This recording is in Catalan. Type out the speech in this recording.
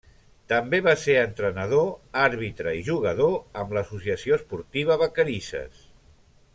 També va ser entrenador, àrbitre i jugador amb l'Associació Esportiva Vacarisses.